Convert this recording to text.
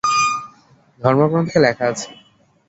ধর্মগ্রন্থে লেখা আছে।